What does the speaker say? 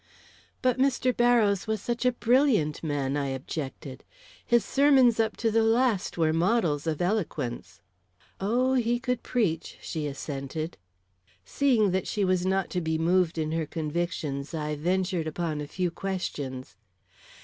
"But Mr. Barrows was such a brilliant man," I objected. "His sermons up to the last were models of eloquence." "Oh, he could preach," she assented. Seeing that she was not to be moved in her convictions, I ventured upon a few questions.